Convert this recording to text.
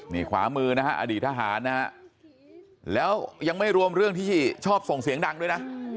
นี่ขวามือนะฮะอดีตทหารนะฮะแล้วยังไม่รวมเรื่องที่ชอบส่งเสียงดังด้วยนะ